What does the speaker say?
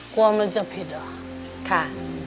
กลัวมันจะผิดเหรอค่ะ